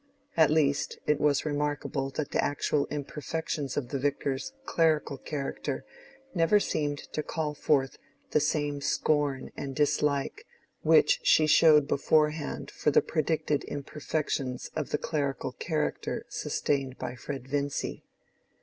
At least, it was remarkable that the actual imperfections of the Vicar's clerical character never seemed to call forth the same scorn and dislike which she showed beforehand for the predicted imperfections of the clerical character sustained by Fred Vincy.